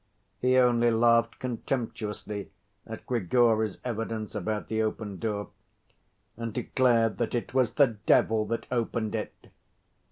He only laughed contemptuously at Grigory's evidence about the open door, and declared that it was "the devil that opened it."